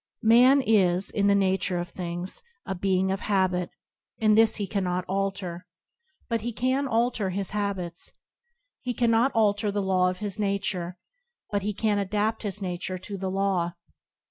Man is, in the nature of things, a being of habit, and this he cannot alter; but he [ 19 j a9an: EmgofcpmD can alter his habits. He cannot alter the law of his nature, but he can adapt his nature to the law.